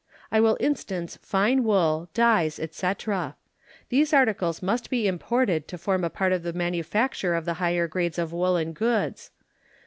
I will instance fine wool, dyes, etc. These articles must be imported to form a part of the manufacture of the higher grades of woolen goods.